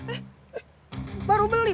eh baru beli baru beli